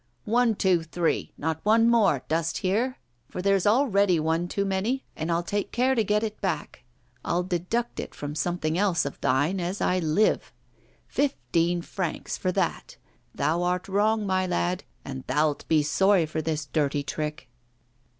'One, two, three not one more, dost hear? for there is already one too many, and I'll take care to get it back; I'll deduct it from something else of thine, as I live. Fifteen francs for that! Thou art wrong, my lad, and thou'lt be sorry for this dirty trick.